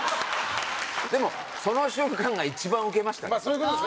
でもその瞬間が一番ウケましたね。